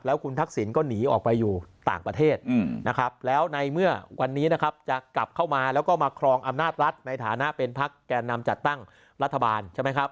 คุณทักษิณก็หนีออกไปอยู่ต่างประเทศนะครับแล้วในเมื่อวันนี้นะครับจะกลับเข้ามาแล้วก็มาครองอำนาจรัฐในฐานะเป็นพักแก่นำจัดตั้งรัฐบาลใช่ไหมครับ